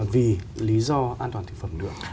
vì lý do an toàn thực phẩm